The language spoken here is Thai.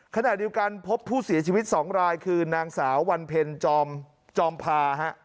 ขณะเดียวกันพบผู้เสียชีวิต๒รายคือนางสาววันเพ็ญจอมพาฮะ